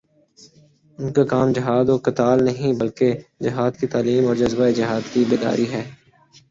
ان کا کام جہاد و قتال نہیں، بلکہ جہادکی تعلیم اور جذبۂ جہاد کی بیداری ہے